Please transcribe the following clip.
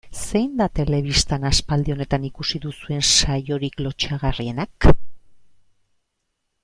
Zein da telebistan aspaldi honetan ikusi duzuen saiorik lotsagarrienak?